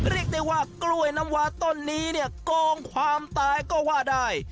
เรียกได้ว่ากล้วยน้ำวาต้นนี้เนี่ยโกงความตายก็ว่าได้